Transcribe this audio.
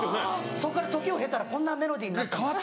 そこから時を経たらこんなメロディーになったんだ。